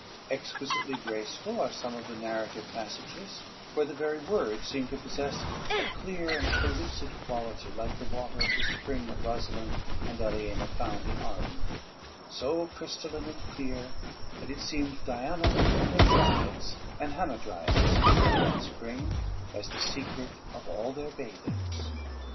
Exquisitely graceful are some of the narrative passages, where the very words seem to possess a clear and pellucid quality like the water of the spring that Rosalynde and Aliena found in Arden, "so crystalline and clear, that it seemed Diana and her Dryades and Hamadryades had that spring, as the secret of all their bathings."